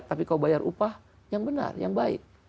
tapi kau bayar upah yang benar yang baik